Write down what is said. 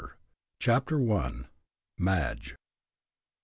CHAPTER I MADGE.